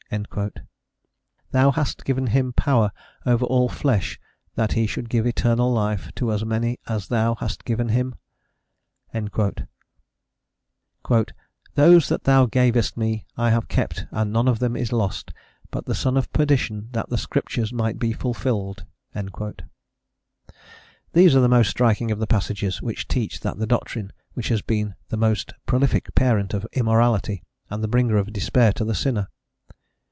"Thou hast given him power over all flesh, that he should give eternal life to as many as Thou hast given him?" "Those that thou gavest me I have kept and none of them is lost, but the son of perdition, that the Scriptures might be fulfilled." These are the most striking of the passages which teach that doctrine which has been the most prolific parent of immorality and the bringer of despair to the sinner.